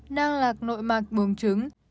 nang lạc nội mạc bùng trứng